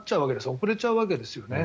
遅れちゃうわけですよね。